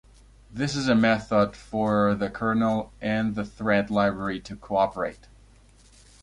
This is a method for the kernel and the thread library to cooperate.